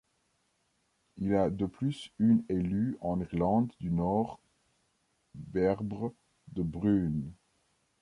Il a de plus une élue en Irlande du Nord, Bairbre de Brún.